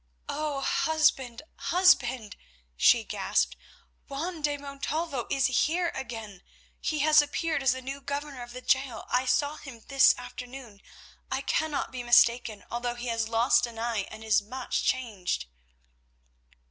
"Oh! husband, husband," she gasped, "Juan de Montalvo is here again. He has appeared as the new governor of the gaol. I saw him this afternoon, I cannot be mistaken, although he has lost an eye and is much changed."